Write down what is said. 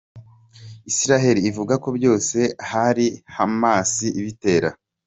Israel ivuga ko byose ari Hamas ibitera.